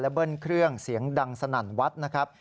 เบิ้ลเครื่องเสียงดังสนั่นวัดนะครับ